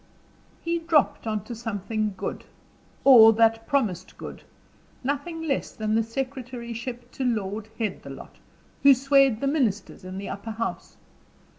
He dropped into something good, or that promised good nothing less than the secretaryship to Lord Headthelot, who swayed the ministers in the upper House.